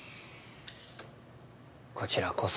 こちらこそ。